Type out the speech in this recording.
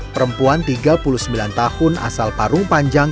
perempuan tiga puluh sembilan tahun asal parung panjang